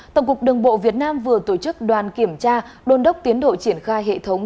tổng cục đường bộ việt nam vừa tổ chức đoàn kiểm tra đôn đốc tiến độ triển khai hệ thống